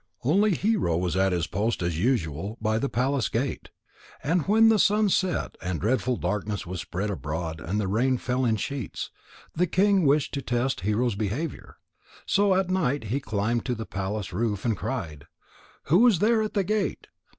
Only Hero was at his post as usual by the palace gate. And when the sun set and dreadful darkness was spread abroad and the rain fell in sheets, the king wished to test Hero's behaviour. So at night he climbed to the palace roof and cried: "Who is there at the gate?"